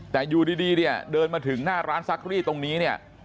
แต่อยู่ดีเนี่ยเดินมาถึงหน้าร้านซักรีดตรงนี้เนี่ย